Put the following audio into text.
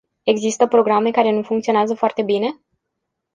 Există programe care nu funcționează foarte bine?